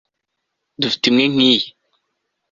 dufite imwe nkiyi